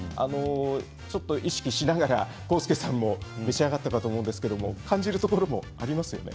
ちょっと意識しながら浩介さんも召し上がっていたと思うんですけど感じるところもありますよね。